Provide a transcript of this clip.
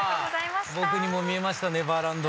僕にも見えましたネバーランド。